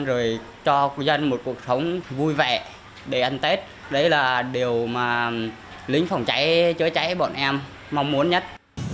rồi cho dân một cuộc sống vui vẻ để ăn tết đấy là điều mà lính phòng cháy chữa cháy bọn em mong muốn nhất